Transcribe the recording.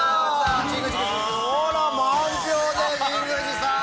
満票で神宮寺さん！